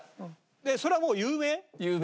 それはもう有名？